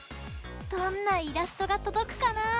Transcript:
どんなイラストがとどくかな？